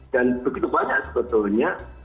dan begitu banyak sebetulnya